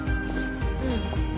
うん。